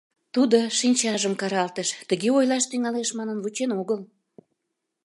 Тудо шинчажым каралтыш — тыге ойлаш тӱҥалеш манын вучен огыл.